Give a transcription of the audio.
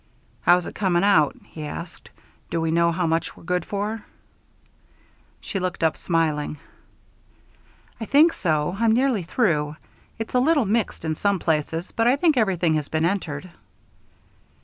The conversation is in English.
"How's it coming out?" he asked. "Do we know how much we're good for?" She looked up, smiling. "I think so. I'm nearly through. It's a little mixed in some places, but I think everything has been entered."